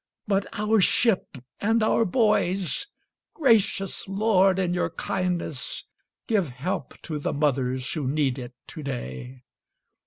But our ship and our boys! Gracious Lord, in your kindness, Give help to the mothers who need it to day!